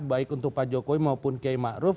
baik untuk pak jokowi maupun kiai ma'ruf